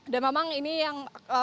dan memang ini yang